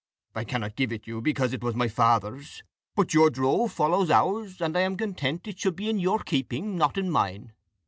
I cannot give it you, because it was my father's; but your drove follows ours, and I am content it should be in your keeping, not in mine.